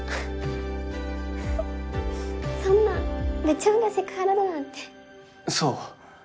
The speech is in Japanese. そんな部長がセクハラだなんてそう？